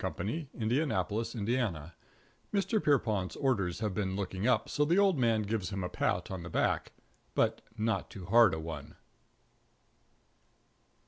|| Indianapolis, Indiana. || Mr. Pierrepont's orders || have been looking up, so || the old man gives him a || pat on the back but not || too hard a one.